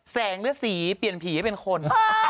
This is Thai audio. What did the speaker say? แสงหรือสีเปลี่ยนผีให้เป็นคน